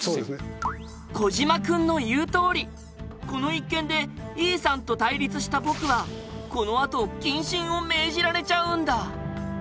小島くんの言うとおりこの一件で井伊さんと対立した僕はこのあと謹慎を命じられちゃうんだ。